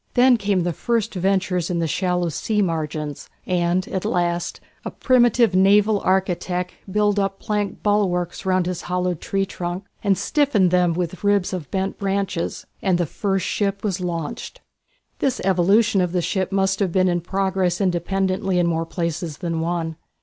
Then came the first ventures in the shallow sea margins, and at last a primitive naval architect built up planked bulwarks round his hollowed tree trunk, and stiffened them with ribs of bent branches, and the first ship was launched. This evolution of the ship must have been in progress independently in more places than one.